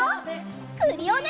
クリオネ！